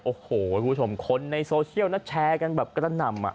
โอ้โหคุณผู้ชมคนในโซเชียลนะแชร์กันแบบกระหน่ำ